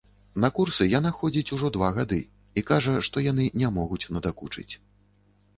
На курсы яна ходзіць ужо два гады і кажа, што яны не могуць надакучыць.